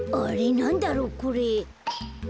なんだろうこれ。